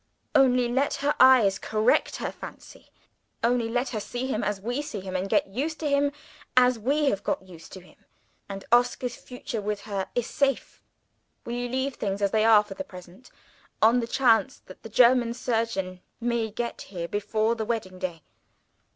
Only let her eyes correct her fancy only let her see him as we see him, and get used to him, as we have got used to him; and Oscar's future with her is safe. Will you leave things as they are for the present, on the chance that the German surgeon may get here before the wedding day?"